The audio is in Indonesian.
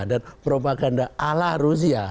dan propaganda ala rusia